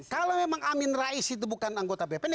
kalau memang amin rais itu bukan anggota bpn